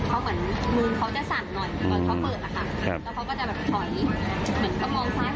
เขาเหมือนมือเขาจะสั่นหน่อยก่อนเขาเปิดอ่ะค่ะครับ